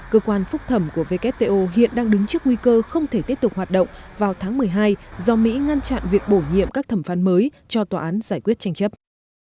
cơ quan phúc thẩm của wto hiện đang đứng trước nguy cơ không thể tiếp tục hoạt động vào tháng một mươi hai do mỹ ngăn chặn việc bổ nhiệm các thẩm phán mới cho tòa án giải quyết tranh chấp